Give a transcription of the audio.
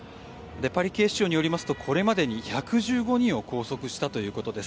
パリ警視庁によりますとこれまで１１５人を拘束したということです。